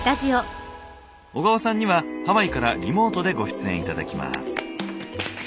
小川さんにはハワイからリモートでご出演頂きます。